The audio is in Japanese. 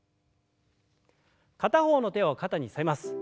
片方の手を肩にのせます。